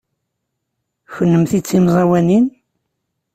Kennemti d timẓawanin?